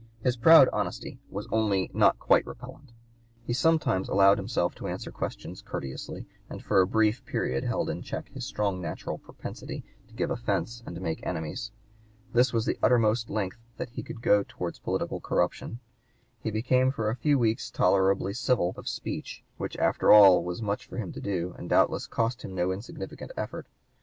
His proud honesty was only not quite (p. 166) repellent; he sometimes allowed himself to answer questions courteously, and for a brief period held in check his strong natural propensity to give offence and make enemies. This was the uttermost length that he could go towards political corruption. He became for a few weeks tolerably civil of speech, which after all was much for him to do and doubtless cost him no insignificant effort.